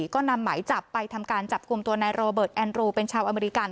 ก็นำหมายจับไปทำการจับกลุ่มตัวนายโรเบิร์ตแอนรูเป็นชาวอเมริกัน